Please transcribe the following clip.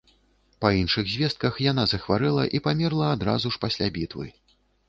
Па іншых звестках, яна захварэла і памерла адразу ж пасля бітвы.